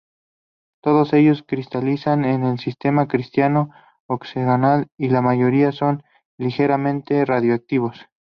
Todos ellos cristalizan en el Sistema cristalino hexagonal y la mayoría son ligeramente radiactivos.